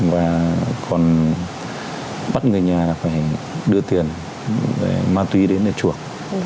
và còn bắt người nhà phải đưa tiền để ma tuy đến để chuộc